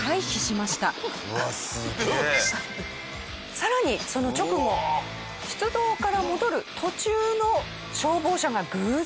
さらにその直後出動から戻る途中の消防車が偶然通りかかりました。